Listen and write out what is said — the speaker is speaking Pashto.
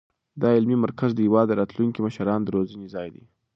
دا علمي مرکز د هېواد د راتلونکو مشرانو د روزنې ځای دی.